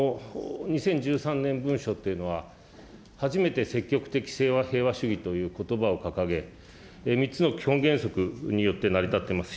２０１３年文書っていうのは、初めて積極的平和主義ということばを掲げ、３つの基本原則によって成り立っています。